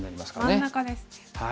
真ん中ですね。